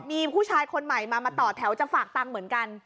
มีผู้ชายคนใหม่มามาต่อแถวจะฝากตังค์เหมือนกัน